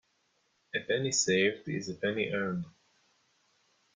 A penny saved is a penny earned.